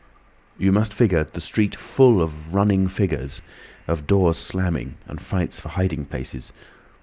You must figure the street full of running figures, of doors slamming and fights for hiding places.